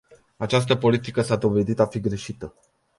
Această politică s-a dovedit a fi greșită.